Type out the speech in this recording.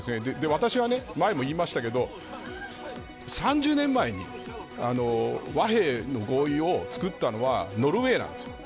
私は前にも言いましたが３０年前に和平の合意を作ったのはノルウェーなんですよ。